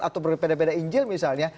atau pada peda injil misalnya